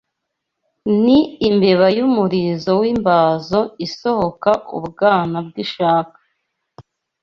Ni imbeba y'umurizo w'imbazo isohoka ubwanwa bw,ishaka